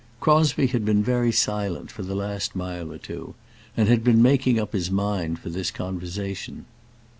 Crosbie had been very silent for the last mile or two, and had been making up his mind for this conversation.